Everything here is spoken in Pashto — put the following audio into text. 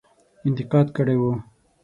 انتقاد کړی وو.